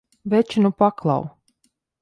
Veči, nu paklau!